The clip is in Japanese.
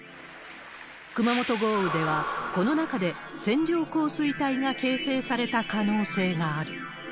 熊本豪雨では、この中で線状降水帯が形成された可能性がある。